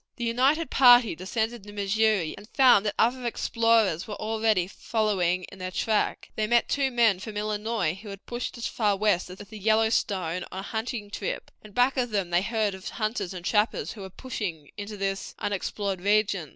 The united party descended the Missouri, and found that other explorers were already following in their track. They met two men from Illinois who had pushed as far west as the Yellowstone on a hunting trip, and back of them they heard of hunters and trappers who were pushing into this unexplored region.